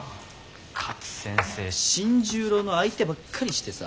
勝先生新十郎の相手ばっかりしてさ。